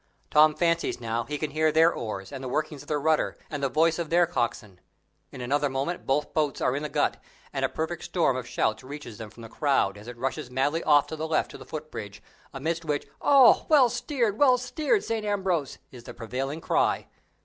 Tom fancies now he can hear their oars and the workings of their rudder, and the voice of their coxswain. In another moment both boats are in the Gut, and a perfect storm of shouts reaches them from the crowd, as it rushes madly off to the left to the footbridge, amidst which "Oh, well steered, well steered, St. Ambrose!" is the prevailing cry.